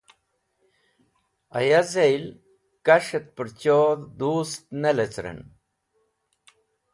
Aya zel kas̃h et pẽrchodh dust ne lecern.